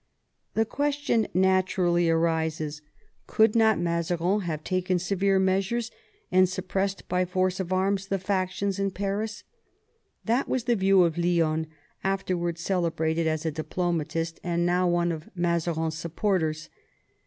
The question naturally arises. Could not Mazarin have 88 MAZARIN chap. taken severe measures and suppressed by force of arms the factions in Paris] That was the view of Lionne, afterwards celebrated as a diplomatist, and now one of Mazarin's supporters.